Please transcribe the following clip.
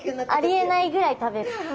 ありえないぐらい食べる。